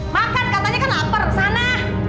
makan katanya kan lapar ke sana